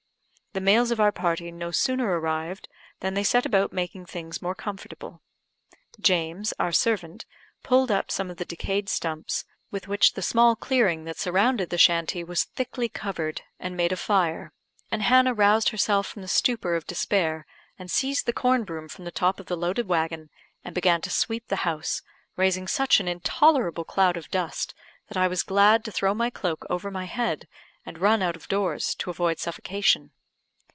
The males of our party no sooner arrived than they set about making things more comfortable. James, our servant, pulled up some of the decayed stumps, with which the small clearing that surrounded the shanty was thickly covered, and made a fire, and Hannah roused herself from the stupor of despair, and seized the corn broom from the top of the loaded waggon, and began to sweep the house, raising such an intolerable cloud of dust that I was glad to throw my cloak over my head, and run out of doors, to avoid suffocation.